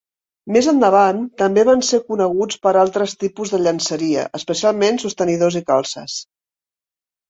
Més endavant també van ser coneguts per altres tipus de llenceria, especialment sostenidors i calces.